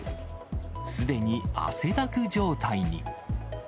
すでに汗だく状態に。